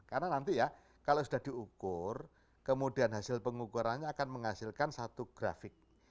karena nanti ya kalau sudah diukur kemudian hasil pengukurannya akan menghasilkan satu grafik